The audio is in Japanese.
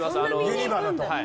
ユニバだと。